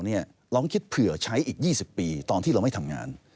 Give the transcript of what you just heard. ลองคิดเผื่อใช้อีก๒๐ปีตอนที่เราไม่ทำงาน